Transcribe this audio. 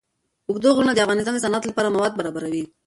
اوږده غرونه د افغانستان د صنعت لپاره مواد برابروي.